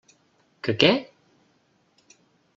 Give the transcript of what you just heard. Que què?